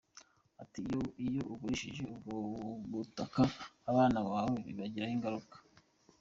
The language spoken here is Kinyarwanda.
Ati “Iyo ugurishije ubwo butaka, abana bawe bibagiraho ingaruka.